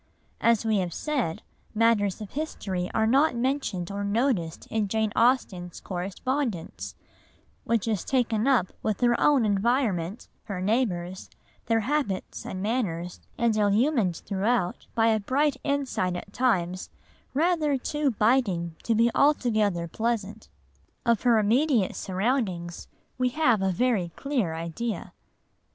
As we have said, matters of history are not mentioned or noticed in Jane Austen's correspondence, which is taken up with her own environment, her neighbours, their habits and manners, and illumined throughout by a bright insight at times rather too biting to be altogether pleasant. Of her immediate surroundings we have a very clear idea.